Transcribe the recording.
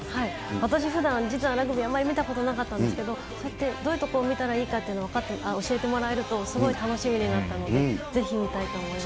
私、ふだん、実はラグビーあんまり見たことなかったんですけど、こうやってどういうところ見たらいいかって分かって、教えてもらえると、すごい楽しみになったので、ぜひ見たいと思います。